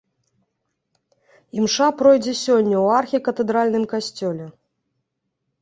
Імша пройдзе сёння ў архікатэдральным касцёле.